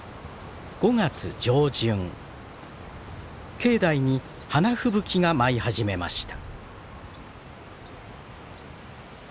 境内に花吹雪が舞い始めました。